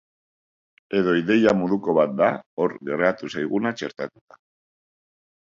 Edo ideia moduko bat da hor geratu zaiguna txertatuta.